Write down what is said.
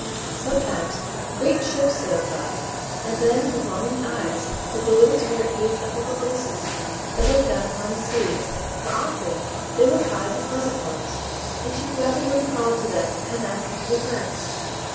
Sometimes great ships sailed by, and then with longing eyes did the little Spirit gaze up at the faces that looked down upon the sea; for often they were kind and pleasant ones, and she gladly would have called to them and asked them to be friends.